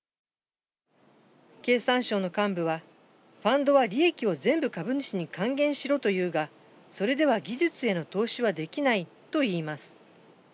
経産省の幹部は、ファンドは利益を全部株主に還元しろと言うが、それでは技術への投資はできないといいます。